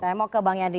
saya mau ke bang yandri